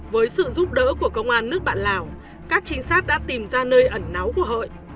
với sự giúp đỡ của công an nước bạn lào các trinh sát đã tìm ra nơi ẩn náu của hội